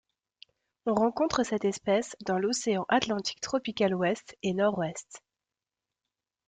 On rencontre cette espèce dans l'océan Atlantique tropical Ouest et nord ouest.